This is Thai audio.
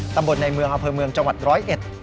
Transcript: ตำบลในเมืองอเภอเมืองจังหวัด๑๐๑